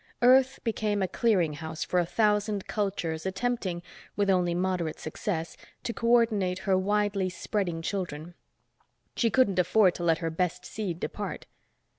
Earth became a clearing house for a thousand cultures, attempting, with only moderate success, to co ordinate her widely spreading children. She couldn't afford to let her best seed depart.